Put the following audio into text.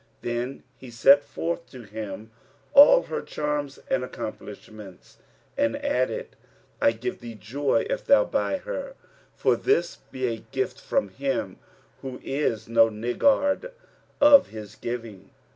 "[FN#279] Then he set forth to him all her charms and accomplishments, and added, "I give thee joy if thou buy her, for this be a gift from Him who is no niggard of His giving."